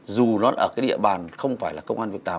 dù nó ở cái địa bàn không phải là công an việc làm